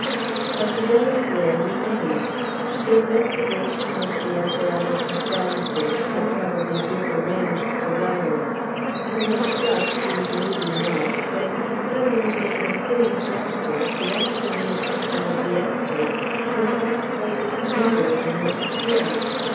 But the yellow glare remained. The investigation which the apparatus had gone through had probably disarranged the wires. With a shrug he was moving off, when he suddenly made a hurried gesture, directing the attention of the expert to a fact for which neither of them was prepared.